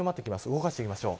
動かしていきましょう。